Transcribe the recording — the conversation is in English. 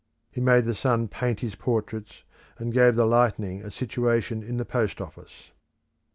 He made the sun paint his portraits, and gave the lightning a situation in the post office.